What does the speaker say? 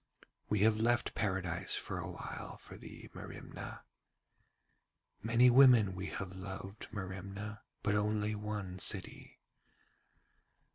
'We have left Paradise for awhile for thee, Merimna. 'Many women have we loved, Merimna, but only one city.